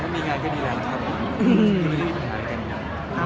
ถ้ามีงานก็ที่หลานครับ